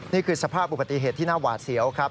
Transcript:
นี่คือสภาพอุบัติเหตุที่น่าหวาดเสียวครับ